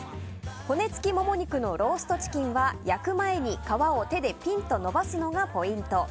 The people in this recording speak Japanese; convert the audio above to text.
骨付きモモ肉のローストチキンは焼く前に、皮を手でピンと伸ばすのがポイント。